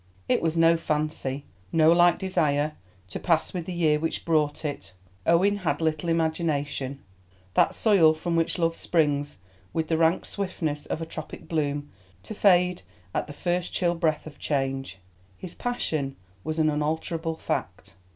It was no fancy, no light desire to pass with the year which brought it. Owen had little imagination, that soil from which loves spring with the rank swiftness of a tropic bloom to fade at the first chill breath of change. His passion was an unalterable fact.